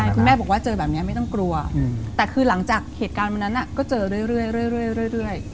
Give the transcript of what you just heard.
คุณแม่บอกว่าเจอแบบนี้ไม่ต้องกลัวแต่คือหลังจากเหตุการณ์วันนั้นก็เจอเรื่อย